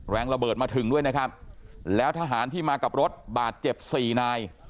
ระเบิดมาถึงด้วยนะครับแล้วทหารที่มากับรถบาดเจ็บสี่นาย